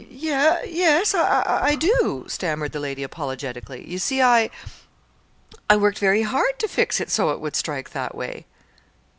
"Y yes, I do," stammered the lady, apologetically. "You see, I I worked very hard to fix it so it would strike that way."